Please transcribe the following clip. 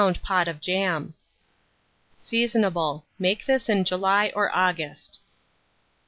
pot of jam. Seasonable. Make this in July or August.